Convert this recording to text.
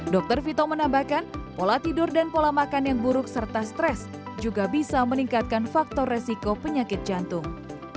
dr vito menambahkan pola tidur dan pola makan yang buruk serta stres juga bisa meningkatkan faktor resiko penyakit jantung